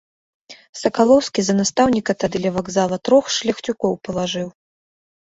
Сакалоўскі за настаўніка тады ля вакзала трох шляхцюкоў палажыў.